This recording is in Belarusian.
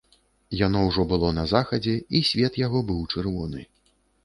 Яно ўжо было на захадзе, і свет яго быў чырвоны.